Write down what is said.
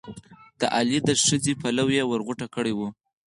د علي د ښځې پلو یې ور غوټه کړی وو.